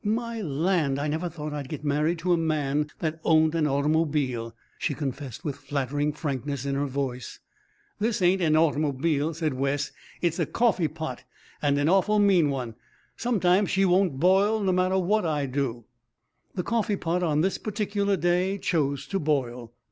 "My land, I never thought I'd get married to a man that owned an automobile," she confessed with flattering frankness in her voice. "This ain't an automobile," said Wes. "It's a coffeepot, and an awful mean one. Sometimes she won't boil, no matter what I do." The coffeepot on this particular day chose to boil.